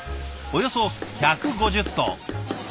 およそ１５０頭。